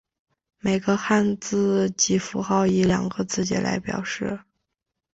每个汉字及符号以两个字节来表示。